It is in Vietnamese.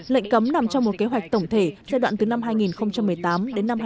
lệnh cấm nằm trong một kế hoạch tổng thể giai đoạn từ năm hai nghìn một mươi tám đến năm hai nghìn hai mươi